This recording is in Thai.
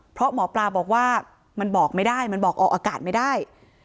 เพราะหมอปลาบอกว่ามันบอกไม่ได้มันบอกออกอากาศไม่ได้